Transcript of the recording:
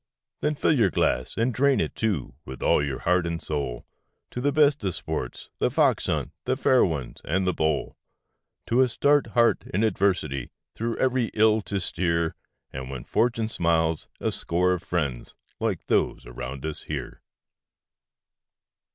Then fill your glass, and drain it, too, with all your heart and soul, To the best of sports The Fox hunt, The Fair Ones, and The Bowl, To a stout heart in adversity through every ill to steer, And when Fortune smiles a score of friends like those around us here.